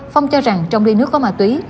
phong cho rằng trong đi nước có ma túy